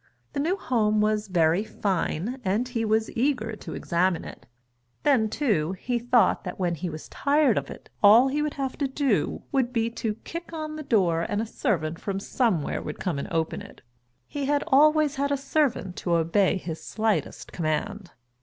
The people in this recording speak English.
The new home was very fine, and he was eager to examine it. Then, too, he thought that when he was tired of it, all he would have to do would be to kick on the door and a servant from somewhere would come and open it he had always had a servant to obey his slightest command.